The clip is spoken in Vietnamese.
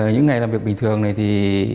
những ngày làm việc bình thường thì